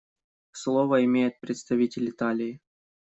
Слово имеет представитель Италии.